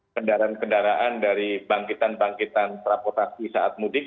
kendaraan kendaraan dari bangkitan bangkitan transportasi saat mudik